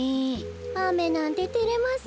あめなんててれますねえ。